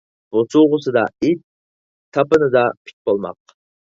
بوسۇغىسىدا ئىت، تاپىنىدا پىت بولماق